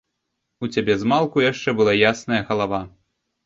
У цябе змалку яшчэ была ясная галава.